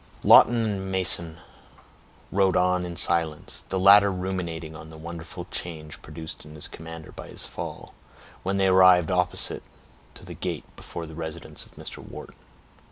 Lawton and Mason rode on in silence, the latter ruminating on the wonderful change produced in his commander by his fall, when they arrived opposite to the gate before the residence of Mr. Wharton.